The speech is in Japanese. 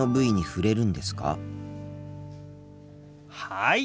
はい。